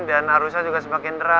dan arusnya juga semakin deras